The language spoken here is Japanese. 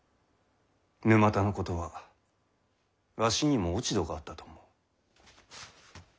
沼田のことはわしにも落ち度があったと思う。